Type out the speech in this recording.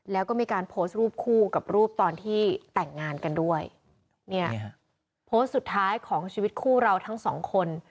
แล้วก็มีการโพสต์รูปคู่กับรูปตอนที่แต่งงานกันด้วยเนี่ยโพสต์สุดท้ายของชีวิตคู่เราทั้งสองคน